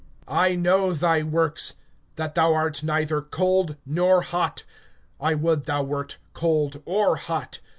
(15)I know thy works, that thou art neither cold nor hot. I would thou wert cold or hot.